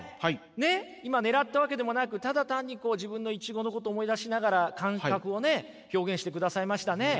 ねっ今ねらったわけでもなくただ単に自分のイチゴのことを思い出しながら感覚をね表現してくださいましたね。